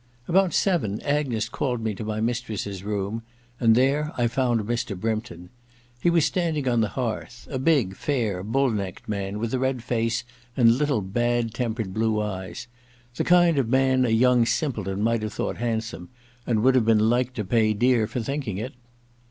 About seven, Agnes called me to my mistress's room ; and there 1 found Mr. Brympton. He was standing on the hearth ; a big fair bull necked man, with a red face and little bad tempered blue eyes : the kind of man a young simpleton might have thought handsome, and 130 II THE LADrS MAID'S BELL 131 would have been like to pay dear for think ing it.